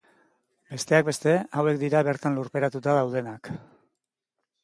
Besteak beste hauek dira bertan lurperatuta daudenak.